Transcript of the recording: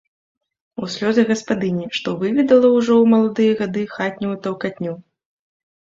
У слёзы гаспадыні, што выведала ўжо ў маладыя гады хатнюю таўкатню.